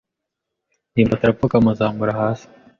ndimbati arapfukama azamura hasi.